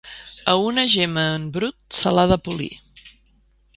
A una gema en brut se l'ha de polir.